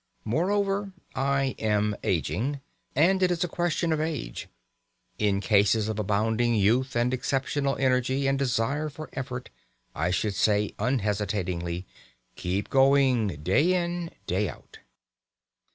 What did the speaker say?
Moreover, I am ageing. And it is a question of age. In cases of abounding youth and exceptional energy and desire for effort I should say unhesitatingly: Keep going, day in, day out.